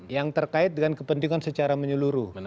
yang terkait dengan kepentingan secara menyeluruh